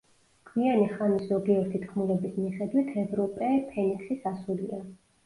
გვიანი ხანის ზოგიერთი თქმულების მიხედვით, ევროპე ფენიქსის ასულია.